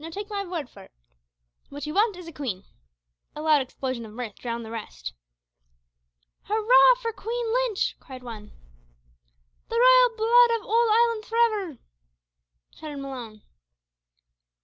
No, take my word for it; what ye want is a queen " A loud explosion of mirth drowned the rest. "Hurrah! for Queen Lynch," cried one. "The Royal blood of owld Ireland for ivver!" shouted Malone.